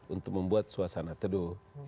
untuk membuat suasana teduh